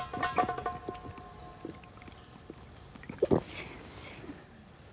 先生。